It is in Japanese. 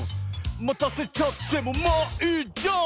「またせちゃってもまあいいじゃん！」